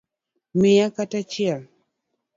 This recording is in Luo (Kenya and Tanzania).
Mia kata achiel